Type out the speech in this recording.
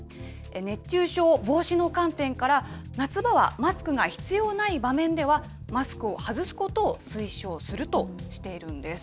熱中症防止の観点から、夏場はマスクが必要ない場面では、マスクを外すことを推奨するとしているんです。